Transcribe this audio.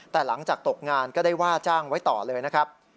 แต่หลังจากตกงานก็ได้ว่าจ้างไว้ต่อเลยนะครับ